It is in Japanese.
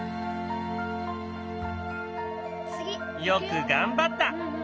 よく頑張った！